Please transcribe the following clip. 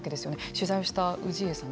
取材をした氏家さん